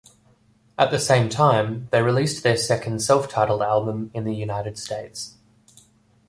At the same time, they released their second self-titled album in the United States.